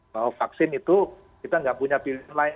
bahwa vaksin itu kita nggak punya pilihan lain